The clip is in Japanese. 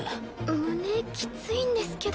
胸きついんですけど。